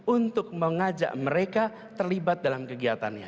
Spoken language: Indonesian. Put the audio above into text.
untuk mengajak mereka terlibat dalam kegiatannya